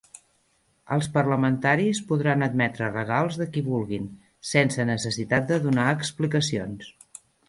Els parlamentaris podran admetre regals de qui vulguin sense necessitat de donar explicacions